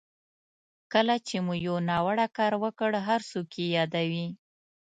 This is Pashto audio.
کله چې مو یو ناوړه کار وکړ هر څوک یې یادوي.